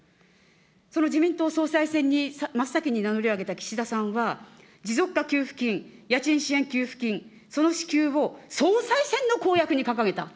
その自民党総裁選に真っ先に名乗りを上げた岸田さんは、持続化給付金、家賃支援給付金、その支給を総裁選の公約に掲げた。